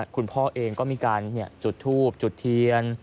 คุณพ่อเองก็มีการจุดทูบจุดเทียน